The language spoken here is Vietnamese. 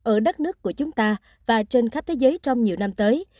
ở đất nước của chúng ta và trên khắp thế giới trong nhiều năm tới